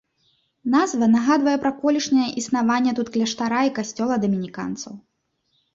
Назва нагадвае пра колішняе існаванне тут кляштара і касцёла дамініканцаў.